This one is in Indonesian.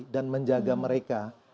dan menjaga mereka